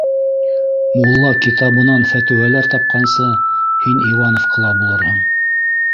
Мулла китабынан фәтүәләр тапҡансы, һин Ивановкала булырһың.